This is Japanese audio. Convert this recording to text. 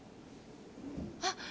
あっ！